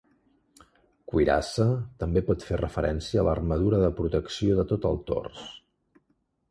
"Cuirassa" també pot fer referencia a l'armadura de protecció de tot el tors.